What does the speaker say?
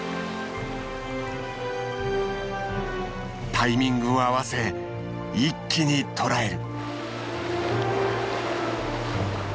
タイミングを合わせ一気に捕らえる。